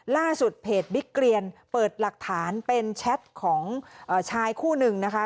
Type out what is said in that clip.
ล่าสุดเพจบิ๊กเกรียนเปิดหลักฐานเป็นแชทของชายคู่หนึ่งนะคะ